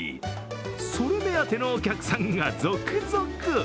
それ目当てのお客さんが続々。